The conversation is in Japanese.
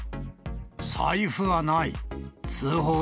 財布はない。